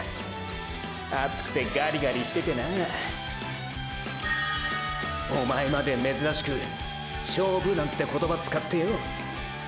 アツくてガリガリしててなァおまえまで珍しく「勝負」なんて言葉つかってヨ。